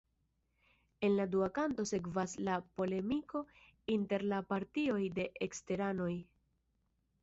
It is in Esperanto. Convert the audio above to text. En la dua kanto sekvas la polemiko inter la partioj de eksterteranoj.